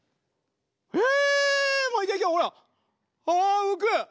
あ浮く。